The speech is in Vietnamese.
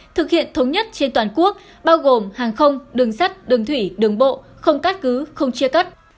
thực hiện thống nhất trên toàn quốc bao gồm hàng không đường sắt đường thủy đường bộ không cắt cứ không chia cắt